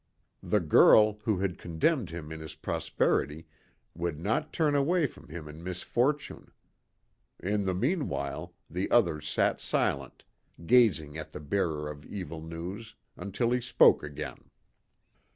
The girl, who had condemned him in his prosperity, would not turn away from him in misfortune. In the meanwhile, the others sat silent, gazing at the bearer of evil news, until he spoke again.